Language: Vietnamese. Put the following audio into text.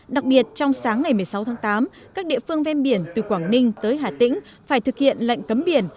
đặc biệt trong sáng ngày một mươi sáu tháng tám các địa phương ven biển từ quảng ninh tới hà tĩnh phải thực hiện lệnh cấm biển